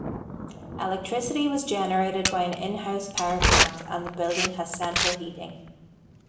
Electricity was generated by an in-house power plant and the building has central heating.